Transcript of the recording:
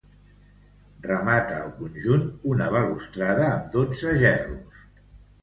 Remata el conjunt una balustrada amb dotze gerros.